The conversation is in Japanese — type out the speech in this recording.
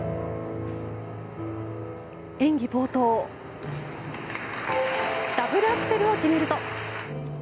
演技冒頭ダブルアクセルを決めると。